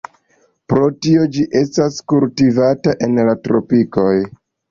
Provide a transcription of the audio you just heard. Pro tio ĝi estas kultivata en la tropikoj.